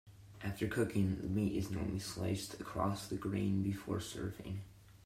After cooking, the meat is normally sliced across the grain before serving.